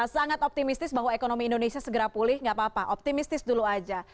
sangat optimistis bahwa ekonomi indonesia segera pulih nggak apa apa optimistis dulu aja